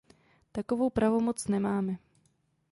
Takovou pravomoc nemáme.